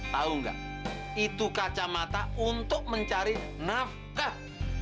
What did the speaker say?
tau ga itu kacamata untuk mencari nafkah